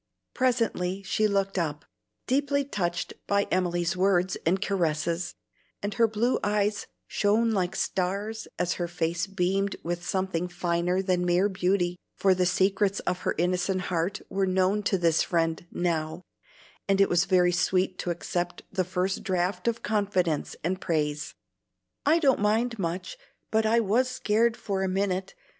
Presently she looked up, deeply touched by Emily's words and caresses, and her blue eyes shone like stars as her face beamed with something finer than mere beauty, for the secrets of her innocent heart were known to this friend now, and it was very sweet to accept the first draught of confidence and praise. "I don't mind much, but I was scared for a minute.